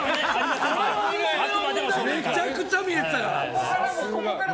めちゃくちゃ見えてたから。